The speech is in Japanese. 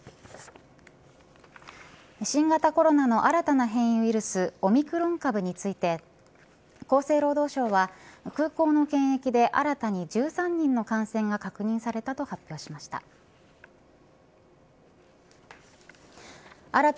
新型コロナの新たな変異ウイルスオミクロン株について厚生労働省は空港の検疫で新たに１３人の感染が確認されたと発表しました。